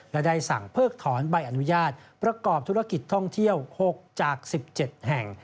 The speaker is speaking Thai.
และได้สั่งเพิกถอนใบอนุญาตประกอบธุรกิจท่องเที่ยว๖จาก๑๗แห่ง